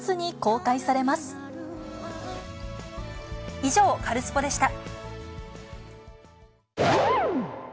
以上、カルスポっ！でした。